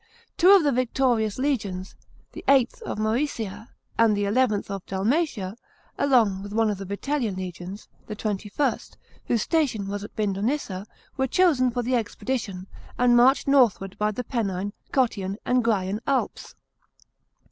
Two of the victorious legirns, the VHIth of Mcesia and the Xlth of Dalmatia, along with one of the Vitellian legions, the XXIst, whose station was Vindonissa, were chosen for the expedition, and marched northward by the Pennine, Cottian, and Graian Alps.